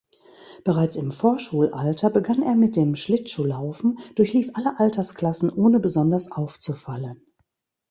Bereits im Vorschulalter begann er mit dem Schlittschuhlaufen, durchlief alle Altersklassen ohne besonders aufzufallen.